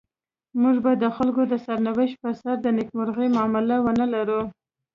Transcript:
موږ به د خلکو د سرنوشت پر سر د نيکمرغۍ معامله ونلرو.